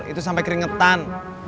itu sampe keringetan